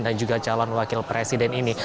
dan juga calon wakil presiden ini